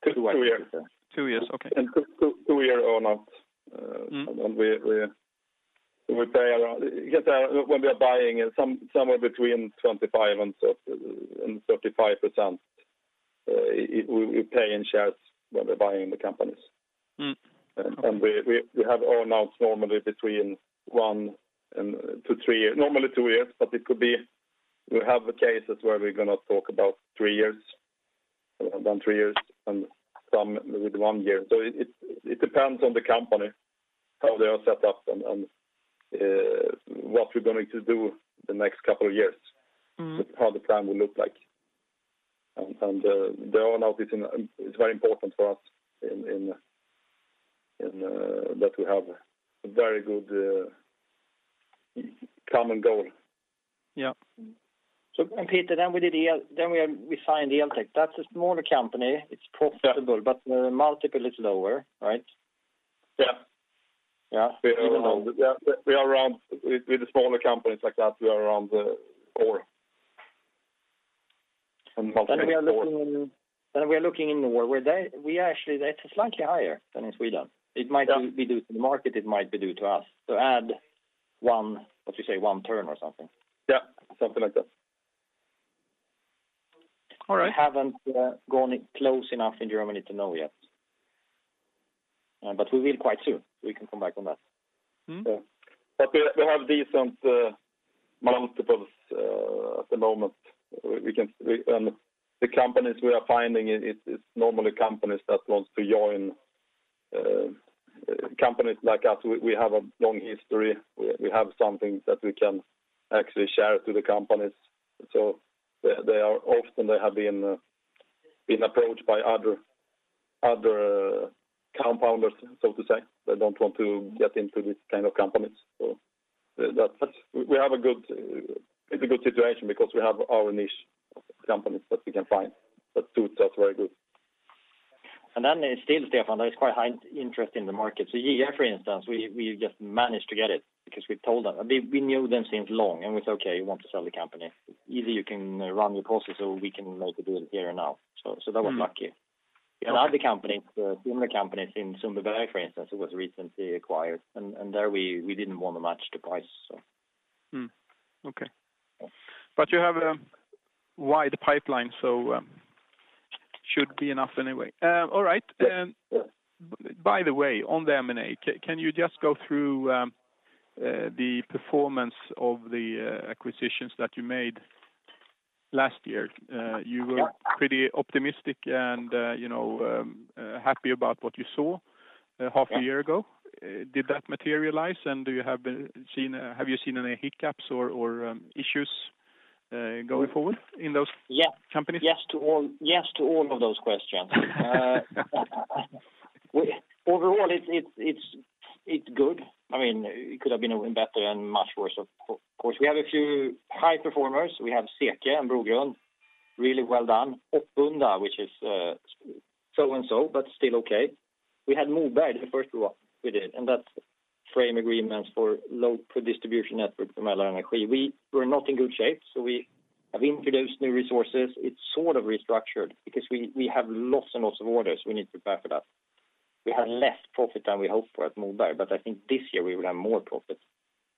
Two years. Two years, yeah. Two years. Okay. And two, two, two year earn out. Uh- Mm-hmm. When we pay around, because when we are buying somewhere between 25% and 35%, we pay in shares when we're buying the companies. Mm-hmm. Okay. We have earn-outs normally between one and two, three. Normally two years, but it could be. We have a case that's where we're gonna talk about three years. We have done three years and some with one year. It depends on the company, how they are set up and what we're going to do the next couple of years. Mm-hmm. How the plan will look like. The earn out is in. It's very important for us in that we have a very good common goal. Yeah. Peter, we signed the Eltek. That's a smaller company. It's profitable. Yeah. The multiple is lower, right? Yeah. Yeah. We are around. With the smaller companies like that, we are around four. Multiple at four. We are looking in Norway. That is slightly higher than in Sweden. Yeah. It might be due to the market, it might be due to us. Add one, what you say, one turn or something. Yeah. Something like that. All right. We haven't gone close enough in Germany to know yet. We will quite soon. We can come back on that. Mm-hmm. Yeah. We have decent multiples at the moment. We can. The companies we are finding, it's normally companies that wants to join companies like us. We have a long history. We have something that we can actually share to the companies. They are. Often they have been approached by other compounders, so to say. They don't want to get into this kind of companies. That's. We have a good situation because we have our niche of companies that we can find that suits us very good. Still, Stefan, there is quite high interest in the market. Yeah, for instance, we just managed to get it because we told them. We knew them since long, and we said, "Okay, you want to sell the company. Either you can run your courses or we can maybe do it here and now." That was lucky. Mm-hmm. In other company, similar companies in Sundbyberg, for instance, it was recently acquired. There we didn't want to match the price, so. Mm-hmm. Okay. You have a wide pipeline, so should be enough anyway. All right. By the way, on the M&A, can you just go through the performance of the acquisitions that you made last year? Yeah. You were pretty optimistic and, you know, happy about what you saw. Yeah. Half a year ago. Did that materialize? Have you seen any hiccups or issues? Going forward in those companies? Yes to all, yes to all of those questions. Overall, it's good. I mean, it could have been even better and much worse of course. We have a few high performers. We have CK and Brogrund, really well done. Oppunda, which is so and so, but still okay. We had Moberg, the first one we did, and that's frame agreements for low distribution network for Mellerud Energi. We were not in good shape, so we have introduced new resources. It's sort of restructured because we have lots and lots of orders. We need to prepare for that. We had less profit than we hoped for at Moberg, but I think this year we will have more profits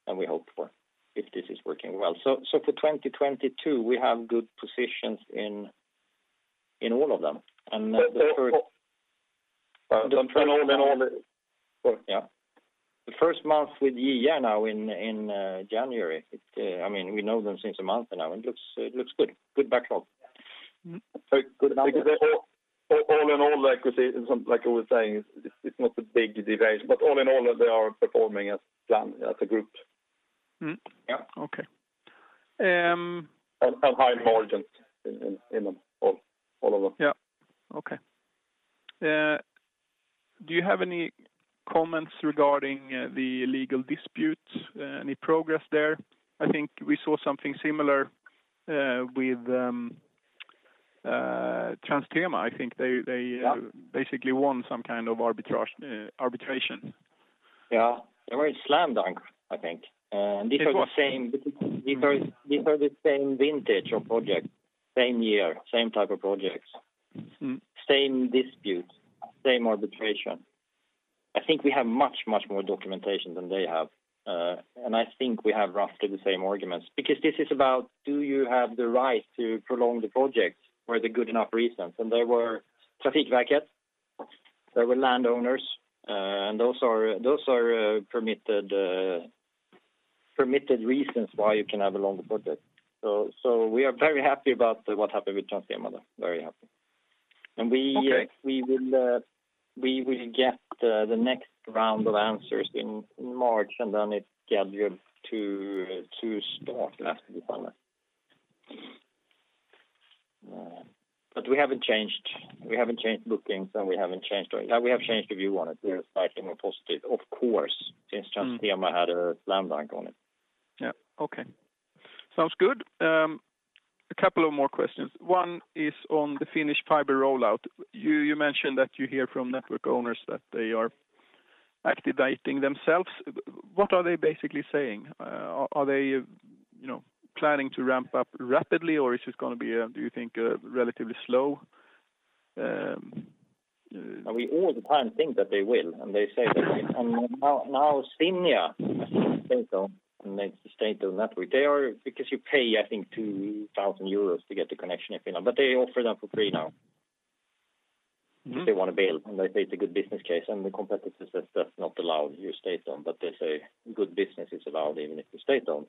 than we hoped for if this is working well. For 2022 we have good positions in all of them. And the first- All in all. Yeah. The first month with YE now in January. I mean, we know them since a month now, and it looks good. Good backlog. All in all, like we say, like I was saying, it's not a big deviation. All in all, they are performing as planned as a group. Mm-hmm. Yeah. Okay. High margins in all of them. Yeah. Okay. Do you have any comments regarding the legal disputes? Any progress there? I think we saw something similar with Transtema. I think they Yeah... basically won some kind of arbitration. Yeah. They were a slam dunk, I think. These are the same vintage of projects, same year, same type of projects. Mm-hmm. Same disputes, same arbitration. I think we have much, much more documentation than they have. I think we have roughly the same arguments, because this is about do you have the right to prolong the project? Were there good enough reasons? There were Trafikverket, there were landowners, and those are permitted reasons why you can have a longer project. We are very happy about what happened with Transtema. Very happy. Okay. We will get the next round of answers in March, and then it's scheduled to start after the summer. We haven't changed bookings. Yeah, we have changed the view on it. We are slightly more positive, of course, since Transtema had a slam dunk on it. Yeah. Okay. Sounds good. A couple of more questions. One is on the Finnish fiber rollout. You mentioned that you hear from network owners that they are activating themselves. What are they basically saying? Are they, you know, planning to ramp up rapidly, or is this gonna be, do you think, relatively slow? We all the time think that they will, and they say that they will. Now Cinia, I think the state-owned network, they are. Because you pay, I think, 2,000 euros to get the connection in Finland, but they offer that for free now. Mm-hmm. If they want to build, and they say it's a good business case, and the competitor says that's not allowed, you're state-owned. They say good business is allowed even if you're state-owned.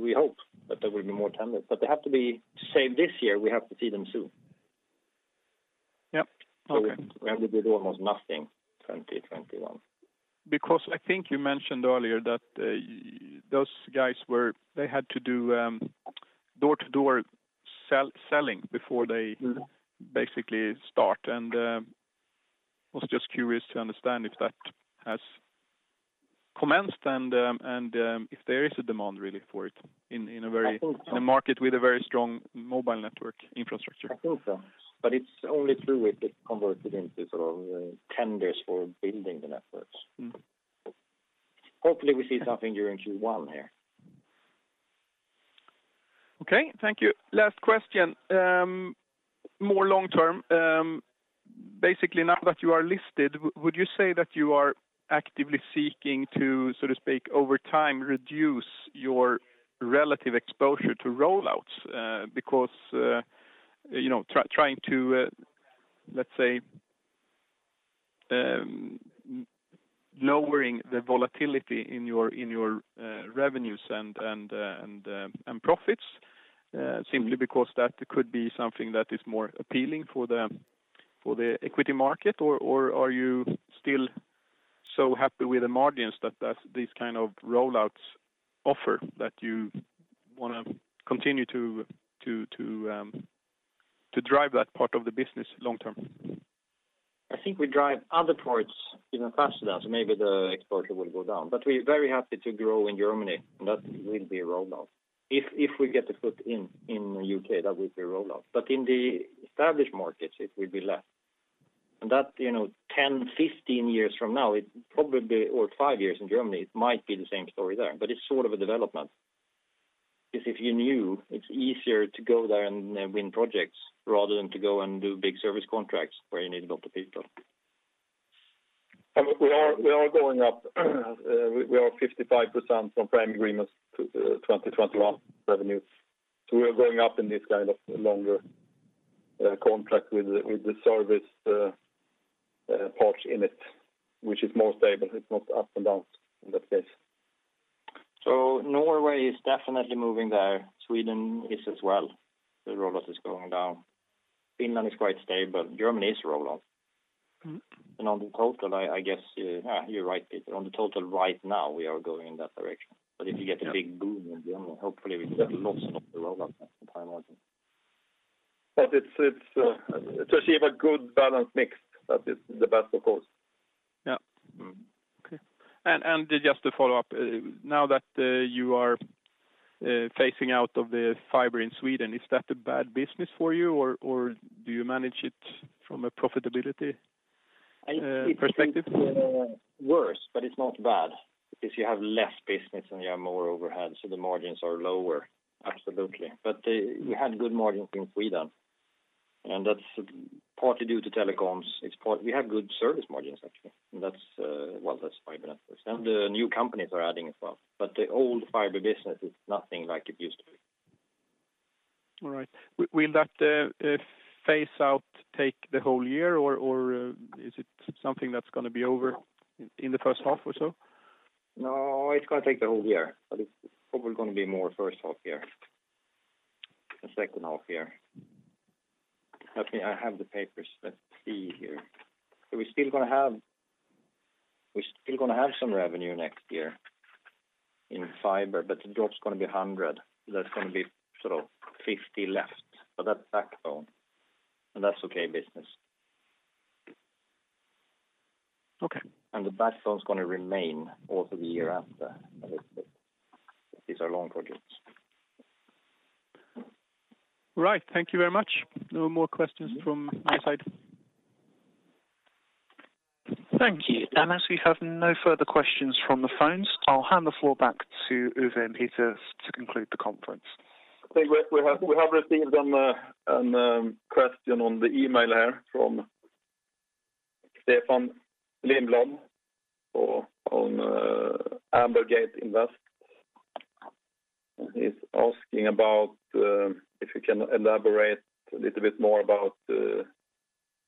We hope that there will be more tenders. They have to be, say, this year, we have to see them soon. Yeah. Okay. We have to build almost nothing 2021. Because I think you mentioned earlier that they had to do door-to-door selling before they Mm-hmm Was just curious to understand if that has commenced and if there is a demand really for it in a very I think so. in a market with a very strong mobile network infrastructure. I think so. It's only true if it converted into sort of tenders for building the networks. Mm-hmm. Hopefully we see something during Q1 here. Okay. Thank you. Last question. More long term. Basically now that you are listed, would you say that you are actively seeking to, so to speak, over time, reduce your relative exposure to rollouts? Because, you know, trying to, let's say, lowering the volatility in your revenues and profits, simply because that could be something that is more appealing for the equity market? Or are you still so happy with the margins that these kind of rollouts offer that you wanna continue to drive that part of the business long term? I think we drive other parts even faster. Maybe the exposure will go down. We're very happy to grow in Germany, and that will be a rollout. If we get a foot in the U.K., that will be a rollout. In the established markets, it will be less. That, you know, 10, 15 years from now, it probably, or 5 years in Germany, it might be the same story there. It's sort of a development. Because if you're new, it's easier to go there and win projects rather than to go and do big service contracts where you need a lot of people. We are going up. We are 55% from frame agreements to 2021 revenues. We are going up in this kind of longer contract with the service parts in it, which is more stable. It's not up and down in that case. Norway is definitely moving there. Sweden is as well. The rollout is going down. Finland is quite stable. Germany is rollout. On the total, I guess you're right, Peter. On the total right now we are going in that direction. But if you get a big boom in the end, hopefully we get lots and lots of rollout as time goes on. It's to achieve a good balanced mix, that is the best, of course. Yeah. Mm-hmm. Okay. Just to follow up, now that you are phasing out of the fiber in Sweden, is that a bad business for you or do you manage it from a profitability perspective? It could be worse, but it's not bad because you have less business and you have more overheads, so the margins are lower. Absolutely. We had good margins in Sweden, and that's partly due to telecoms. We have good service margins, actually. That's well, that's fiber networks. The new companies are adding as well. The old fiber business is nothing like it used to be. All right. Will that phase out take the whole year or is it something that's gonna be over in the first half or so? No, it's gonna take the whole year, but it's probably gonna be more first half year than second half year. Let me. I have the papers. Let's see here. So we're still gonna have some revenue next year in fiber, but the drop's gonna be 100. There's gonna be sort of 50 left, but that's backbone, and that's okay business. Okay. The backbone's gonna remain all through the year after. These are long projects. Right. Thank you very much. No more questions from my side. Thank you. As we have no further questions from the phones, I'll hand the floor back to Ove and Peter to conclude the conference. I think we have received a question on the email here from Stefan Lindblad for Ambergate Invest. He's asking about if you can elaborate a little bit more about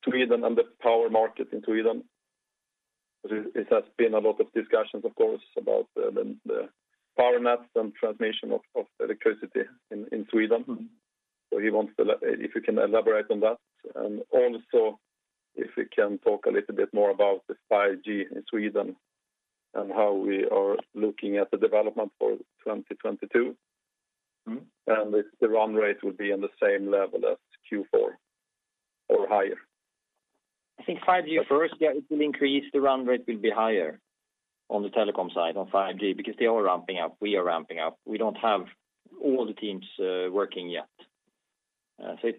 Sweden and the power market in Sweden. It has been a lot of discussions, of course, about the power nets and transmission of electricity in Sweden. He wants you to elaborate on that. Also, if you can talk a little bit more about the 5G in Sweden and how we are looking at the development for 2022. Mm-hmm. If the run rate would be on the same level as Q4 or higher. I think 5G first, yeah, it will increase. The run rate will be higher on the telecom side on 5G because they are ramping up. We are ramping up. We don't have all the teams working yet. It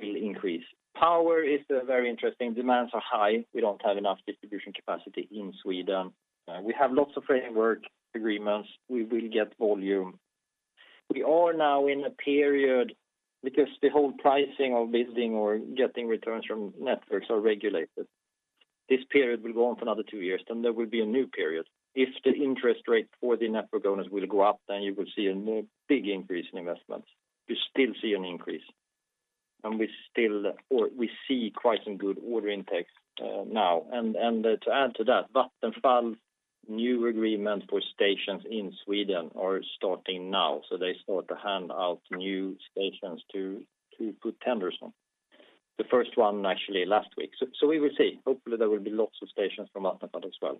will increase. Power is a very interesting. Demands are high. We don't have enough distribution capacity in Sweden. We have lots of framework agreements. We will get volume. We are now in a period because the whole pricing of bidding or getting returns from networks are regulated. This period will go on for another two years, then there will be a new period. If the interest rate for the network owners will go up, then you will see a more big increase in investments. We still see an increase, or we see quite some good order intakes now. To add to that, Vattenfall new agreement for stations in Sweden are starting now. They start to hand out new stations to put tenders on. The first one actually last week. We will see. Hopefully, there will be lots of stations from Vattenfall as well.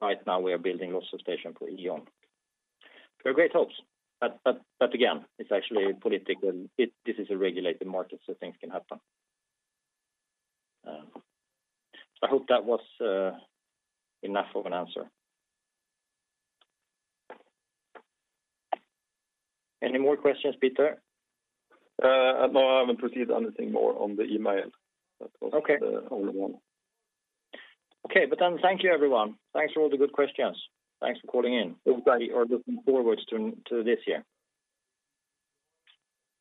Right now, we are building lots of station for E.ON. There are great hopes, but again, it's actually political. This is a regulated market, so things can happen. I hope that was enough of an answer. Any more questions, Peter? No, I haven't received anything more on the email. Okay. The only one. Okay. Thank you, everyone. Thanks for all the good questions. Thanks for calling in. We are looking forward to this year.